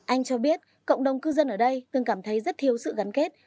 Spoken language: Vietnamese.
anh cho biết cộng đồng cư dân ở đây từng cảm thấy rất thiếu sự gắn kết